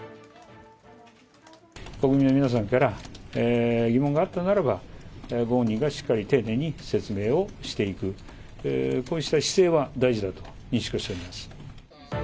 国民の皆さんから、疑問があったならば、ご本人がしっかり丁寧に説明をしていく、こうした姿勢は大事だと認識をしております。